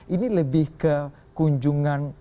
ini lebih ke kunjungan